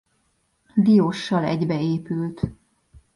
Dióssal egybeépült.